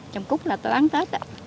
trồng cút là tôi bán tết á